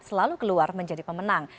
selalu keluar menjadi pemenang